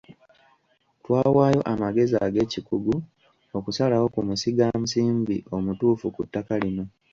Twawaayo amagezi ag’ekikugu okusalawo ku musigansimbi omutuufu ku ttaka lino.